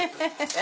え？